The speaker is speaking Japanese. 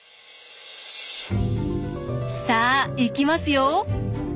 さあいきますよ。